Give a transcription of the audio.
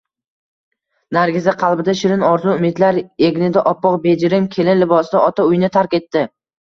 Nargiza qalbida shirin orzu-umidlar, egnida oppoq bejirim kelin libosida ota uyini tark etdi